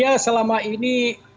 ya selama ini